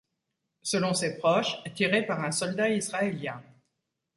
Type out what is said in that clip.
Selon ses proches, tirée par un soldat israélien.